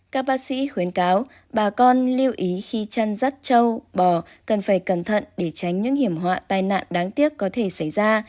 các bác sĩ khuyến cáo bà con lưu ý khi chăn rắt châu bò cần phải cẩn thận để tránh những hiểm họa tai nạn đáng tiếc có thể xảy ra